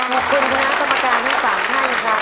ขอบคุณคุณนักกรรมการที่ฝากให้ค่ะ